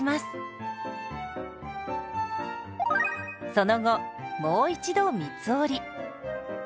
その後もう一度三つ折り。